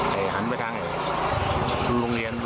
แต่หันไปทางโรงเรียน